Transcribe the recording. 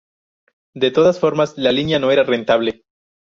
De todas formas, la línea no era rentable.